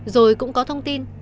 rồi cũng có thông tin